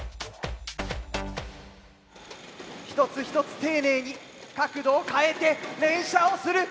一つ一つ丁寧に角度を変えて連射をする。